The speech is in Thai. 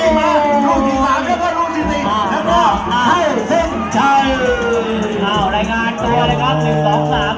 พอได้ครับพอได้ครับพอได้ครับพอได้ครับพอได้ครับ